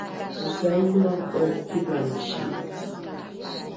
tosainoa’o ’ivalrisi?